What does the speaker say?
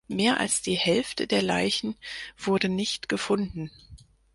Mehr als die Hälfte der Leichen wurde nicht gefunden.